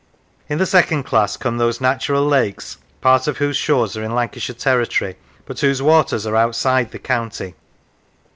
In the second class come those natural lakes, part of whose shores are in Lan cashire territory, but whose waters are outside the county.